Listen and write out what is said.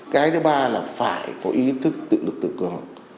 cái thứ ba là phải có ý thức tự lực tự cường